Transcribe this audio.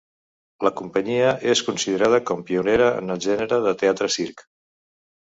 La companyia és considerada com pionera en el gènere del teatre-circ.